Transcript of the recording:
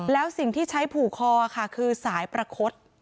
แล้วสิ่งที่ใช้ผูกคอค่ะคือสายประคด